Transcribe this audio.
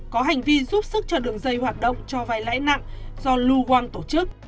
có hành vi giúp sức cho đường dây hoạt động cho vai lãi nặng do lu wang tổ chức